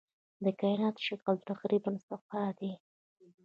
د کائنات شکل تقریباً صاف دی.